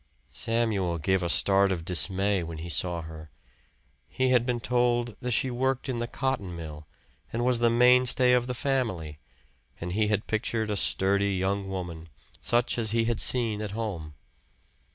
Samuel gave a start of dismay when he saw her. He had been told that she worked in the cotton mill and was the mainstay of the family; and he had pictured a sturdy young woman, such as he had seen at home.